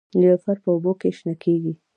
نیلوفر په اوبو کې شنه کیږي